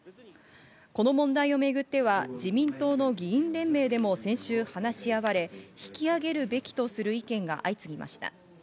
この問題をめぐっては自民党の議員連盟でも先週話し合われ、引き上げるべきとする意見が相次ぎました。